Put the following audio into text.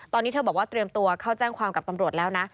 ตอนนี้เธอบอกว่าเตรียมตัวเข้าแจ้งความกับตำรวจแล้วนะ